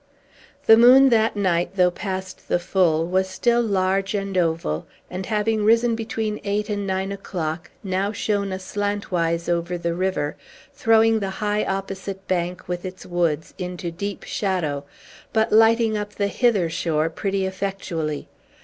The moon, that night, though past the full, was still large and oval, and having risen between eight and nine o'clock, now shone aslantwise over the river, throwing the high, opposite bank, with its woods, into deep shadow, but lighting up the hither shore pretty effectually.